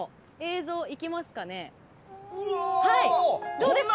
どうですか？